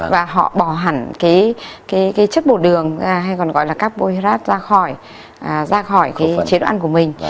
và họ bỏ hẳn chất bột đường hay còn gọi là carbon hydrate ra khỏi chế độ ăn của mình